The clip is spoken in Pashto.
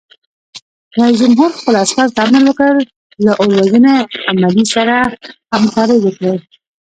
رئیس جمهور خپلو عسکرو ته امر وکړ؛ له اور وژنې عملې سره همکاري وکړئ!